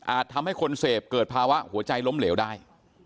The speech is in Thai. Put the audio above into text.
ทำให้คนเสพเกิดภาวะหัวใจล้มเหลวได้